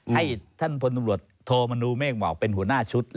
ให้ท่านพลตำรวจโทมนูเมฆบอกเป็นหัวหน้าชุด